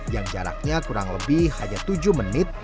yang jaraknya kurang lebih hanya tujuh menit